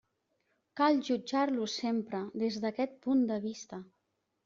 Cal jutjar-lo sempre des d'aquest punt de vista.